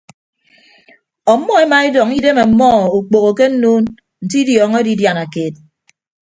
Ọmmọ emaedọñ idem ọmmọ okpoho ke nnuun nte idiọñọ edidiana keet.